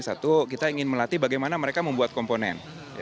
satu kita ingin melatih bagaimana mereka membuat komponen